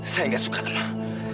saya nggak suka lemah